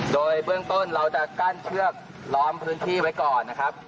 โดยเบื้องต้นเราจะกั้นเชือกล้อมพื้นที่ไว้ก่อนนะครับ